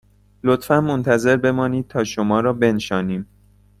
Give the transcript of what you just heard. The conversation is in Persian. لطفاً منتظر بمانید تا شما را بنشانیم